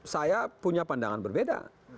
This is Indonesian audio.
saya punya pandangan berbeda